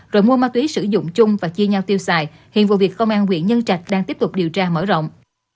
rồi mua ma túy sử dụng chung và chia nhau tiêu xài hiện vụ việc công an viện nhân trạch đang tiếp tục điều tra mở rộng